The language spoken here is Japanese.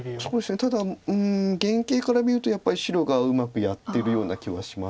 ただ原形から見るとやっぱり白がうまくやってるような気はします。